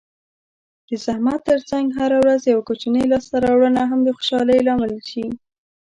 د زحمت ترڅنګ هره ورځ یوه کوچنۍ لاسته راوړنه هم د خوشحالۍ لامل شي.